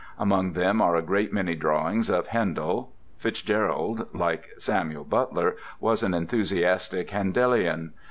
Among them are a great many drawings of Handel; FitzGerald, like Samuel Butler, was an enthusiastic Handelian.